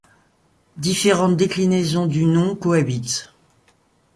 Différentes déclinaisons du nom cohabitent.